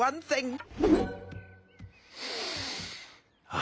あ。